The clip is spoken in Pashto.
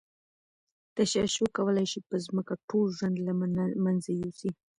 تشعشع کولای شي په ځمکه کې ټول ژوند له منځه یوسي.